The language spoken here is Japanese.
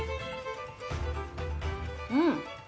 うん。